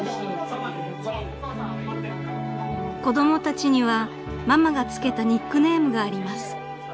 ［子供たちにはママが付けたニックネームがあります］